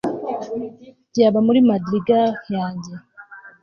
Byaba muri madrigal yanjye